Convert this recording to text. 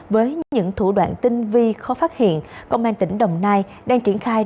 với những thủ đoạn tinh vi khó phát hiện công an tỉnh đồng nai đang triển khai